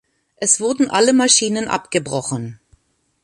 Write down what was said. Es wurden alle Maschinen abgebrochen.